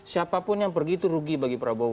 siapapun yang pergi itu rugi bagi prabowo